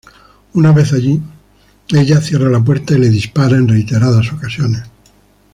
Una vez allí, ella cierra la puerta y le dispara en reiteradas ocasiones.